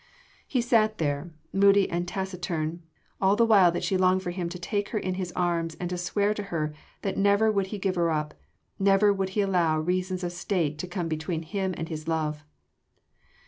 He sat there, moody and taciturn, all the while that she longed for him to take her in his arms and to swear to her that never would he give her up, never would he allow reasons of State to come between him and his love.